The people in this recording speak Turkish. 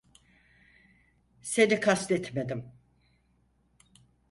Seni kastetmedim.